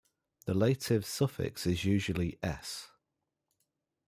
The lative suffix is usually "-s".